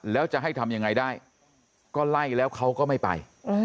แล้วจะให้ทำยังไงได้ก็ไล่แล้วเขาก็ไม่ไป